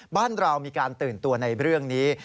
บ้านเรามีการตื่นตัวในเรื่องนี้